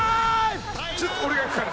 ちょっと俺がいくから。